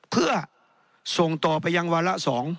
เพื่อส่งต่อไปยังวาระ๒